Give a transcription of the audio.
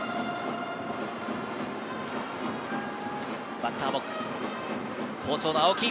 バッターボックス、好調の青木。